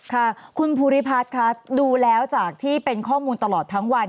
ค่ะคุณภูริพัฒน์ค่ะดูแล้วจากที่เป็นข้อมูลตลอดทั้งวัน